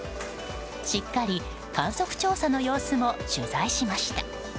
しっかり観測調査の様子も取材しました。